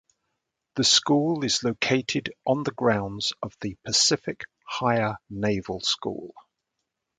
The school is located on the grounds of the Pacific Higher Naval School.